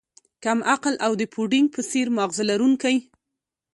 کم عقل او د پوډینګ په څیر ماغزه لرونکی